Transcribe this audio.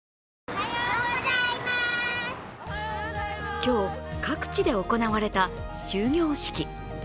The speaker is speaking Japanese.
今日、各地で行われた終業式。